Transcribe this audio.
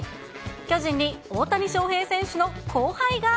巨人に大谷翔平選手の後輩が。